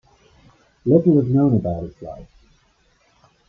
Little is known about his life.